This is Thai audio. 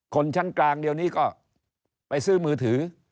คนชั้นกลางเดี๋ยวนี้ก็ไปซื้อมือถือ